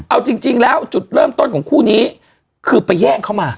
เอาจริงแล้วจุดเริ่มต้นของคู่นี้คือไปแย่งเขามา